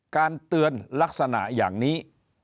การเตือนลักษณะอย่างนี้